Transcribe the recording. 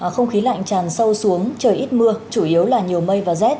không khí lạnh tràn sâu xuống trời ít mưa chủ yếu là nhiều mây và rét